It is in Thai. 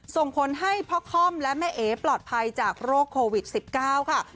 ส่งผลให้พ่อค่อมและแม่เอ๋ปลอดภัยจากโรคโควิด๑๙ค่ะ